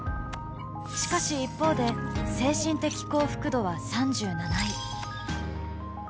しかし、一方で精神的幸福度は３７位。